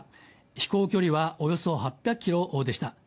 飛行距離はおよそ８００ｋｍでした、